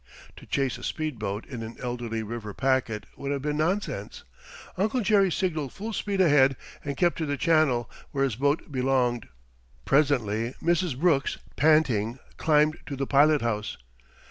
To chase a speed boat in an elderly river packet would have been nonsense. Uncle Jerry signaled full speed ahead and kept to the channel, where his boat belonged. Presently Mrs. Brooks, panting, climbed to the pilot house.